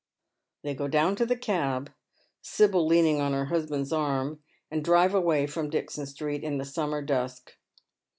Tbey go down to the cab, Sibyl leaning on her husband's arm, and drive away from Dixon Street in the summer dusk.